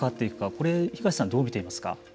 これ東さんどう見ていますか。